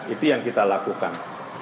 itu yang kita lakukan